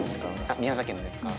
あっ宮崎のですか？